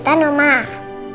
tutup segala matanya ke mana